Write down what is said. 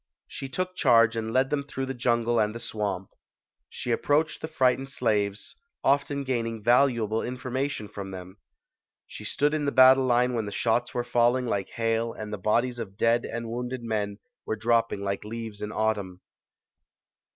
She took charge and led them through the jungle and the swamp. She ap proached the frightened slaves, often gaining valuable information from them. She stood in the battle line when the shots were falling like hail and the bodies of dead and wounded men were dropping like leaves in autumn.